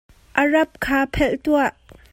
A rap kha phelh tuah.